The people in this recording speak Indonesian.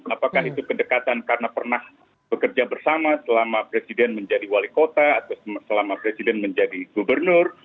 apakah itu kedekatan karena pernah bekerja bersama selama presiden menjadi wali kota atau selama presiden menjadi gubernur